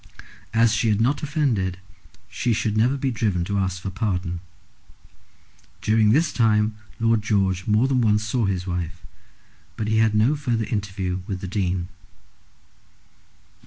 As she had not offended, she should never be driven to ask for pardon. During this time Lord George more than once saw his wife, but he had no further interview with the Dean.